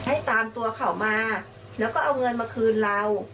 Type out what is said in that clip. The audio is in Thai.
ให้ตามตัวเขามาแล้วก็เอาเงินมาคืนเรา